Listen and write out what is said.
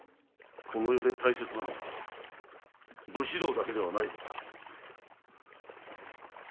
この世で大切なのは武士道だけではない。